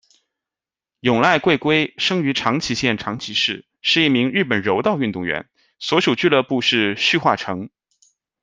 永濑贵规生于长崎县长崎市，是一名日本柔道运动员，所属俱乐部是旭化成。